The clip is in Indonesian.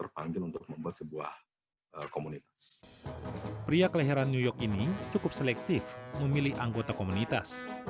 pria kelahiran new york ini cukup selektif memilih anggota komunitas